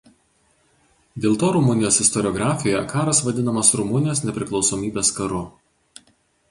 Dėl to Rumunijos istoriografijoje karas vadinamas Rumunijos nepriklausomybės karu.